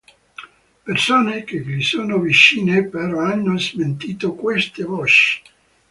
Persone che gli sono vicine però hanno smentito queste voci.